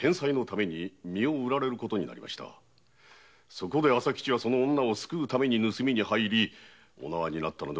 そこで朝吉はその女を救うために盗みに入りお縄になったので。